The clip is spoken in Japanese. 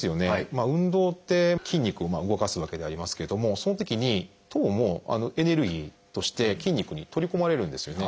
運動って筋肉を動かすわけでありますけれどもそのときに糖もエネルギーとして筋肉に取り込まれるんですよね。